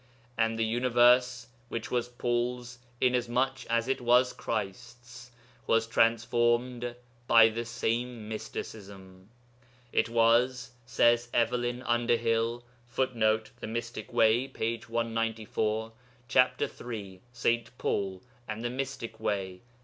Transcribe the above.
And the universe which was Paul's, inasmuch as it was Christ's was transformed by the same mysticism. 'It was,' says Evelyn Underhill, [Footnote: The Mystic Way, p. 194 (chap. iii. 'St. Paul and the Mystic Way').